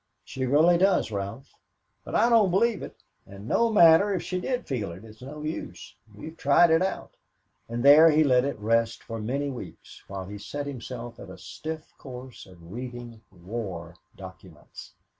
She really does, Ralph." "But I don't believe it. And no matter if she did feel it, it's no use. We've tried it out." And there he let it rest for many weeks, while he set himself at a stiff course of reading of war documents.